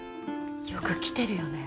よく来てるよね